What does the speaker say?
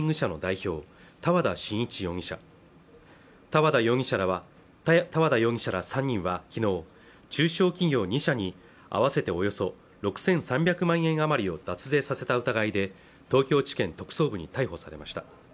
多和田真一容疑者多和田容疑者ら３人はきのう中小企業２社に合わせておよそ６３００万円余りを脱税させた疑いで東京地検特捜部に逮捕されました